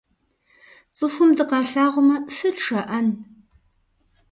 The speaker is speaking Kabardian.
Цӏыхум дыкъалъагъумэ, сыт жаӏэн?